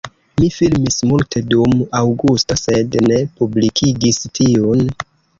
Mi filmis multe dum aŭgusto sed ne publikigis tiun